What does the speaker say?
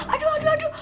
aduh aduh aduh